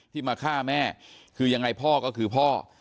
มาฆ่าแม่คือยังไงพ่อก็คือพ่อ